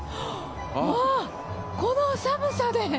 ああ、この寒さで。